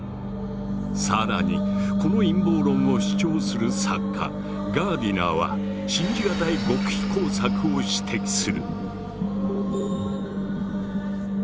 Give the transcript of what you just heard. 更にこの陰謀論を主張する作家ガーディナーは信じがたい極秘工作を指摘する。